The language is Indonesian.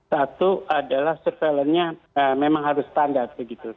satu adalah surveillance nya memang harus standar